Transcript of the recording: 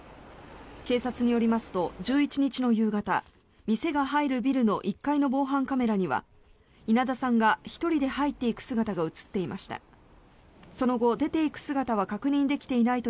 警察によりますと１１日の夕方店が入るビルの１階の防犯カメラには稲田さんが１人で入っていく姿が映っていました。